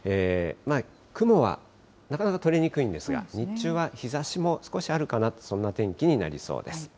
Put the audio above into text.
雲はなかなか取れにくいんですが、日中は日ざしも少しあるかな、そんな天気になりそうです。